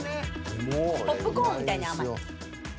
ポップコーンみたいに甘い。